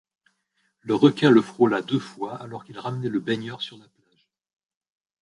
Le requin le frôla deux fois alors qu'il ramenait le baigneur sur la plage.